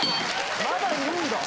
まだいるんだ。